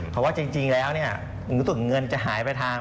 เพราะว่าจริงแล้วเนี่ยรู้สึกเงินจะหายไปทาง